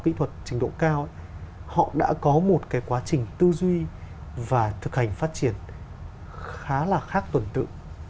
kỹ thuật trình độ cao họ đã có một cái quá trình tư duy và thực hành phát triển khá là khác tuần tự